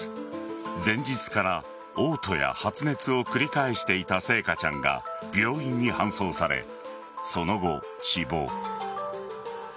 前日から、おう吐や発熱を繰り返していた星華ちゃんが病院に搬送されその後、死亡。